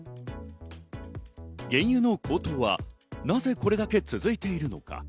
原油の高騰はなぜこれだけ続いているのか？